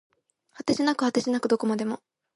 果てしなく果てしなくどこまでも